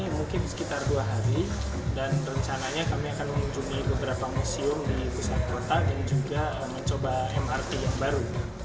dan rencananya kami akan mengunjungi beberapa museum di pusat kota dan juga mencoba mrt yang baru